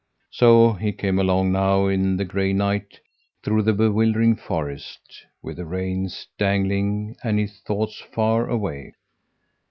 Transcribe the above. So he came along now in the gray night, through the bewildering forest, with the reins dangling and his thoughts far away.